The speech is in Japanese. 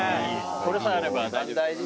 「これさえあれば大丈夫」